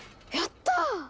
やった！